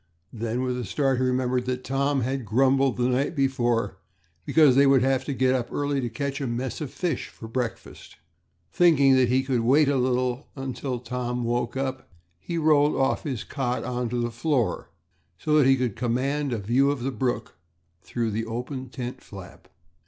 Then, with a start, he remembered that Tom had grumbled the night before because they would have to get up early to catch a mess of fish for breakfast. Thinking that he would wait a little while till Tom woke up, he rolled off his cot on to the floor so that he could command a view of the brook through the open tent flap.